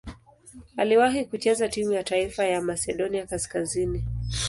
Aliwahi kucheza timu ya taifa ya Masedonia Kaskazini.